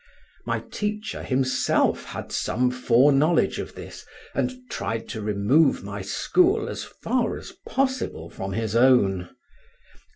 My teacher himself had some foreknowledge of this, and tried to remove my school as far as possible from his own.